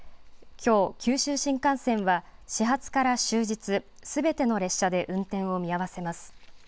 きょう、九州新幹線は始発から終日すべての列車で運転を見合わせます。